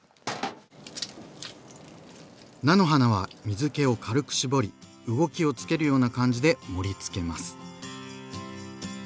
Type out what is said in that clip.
菜の花は水けを軽く絞り動きをつけるような感じで盛りつけます。